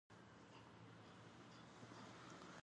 زموږ ګران هیواد افغانستان په کابل باندې پوره ډک دی.